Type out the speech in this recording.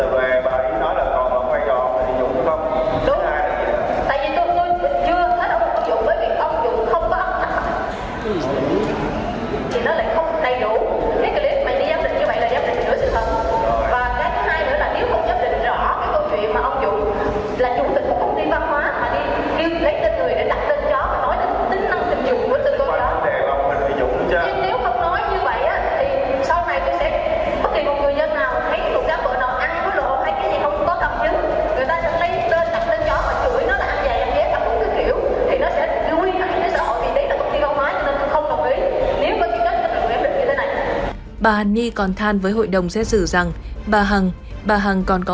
và cái thứ hai nữa là nếu không giám định rõ cái câu chuyện mà ông dũng là chủ tịch của công ty văn hóa mà đi lấy tên người để đặt tên chó và nói đến tính năng tình dụng của tên con chó